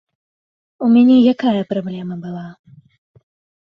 У мяне якая праблема была?